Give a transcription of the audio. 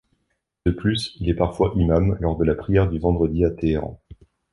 De plus, il est parfois imam lors de la prière du vendredi à Téhéran.